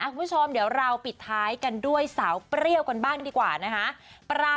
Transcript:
คุณผู้ชมเดี๋ยวเราปิดท้ายกันด้วยสาวเปรี้ยวกันบ้างดีกว่านะคะ